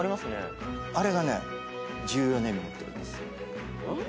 あれが重要な意味持ってるんです。